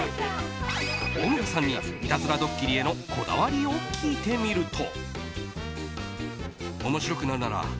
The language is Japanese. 大村さんにいたずらドッキリへのこだわりを聞いてみると。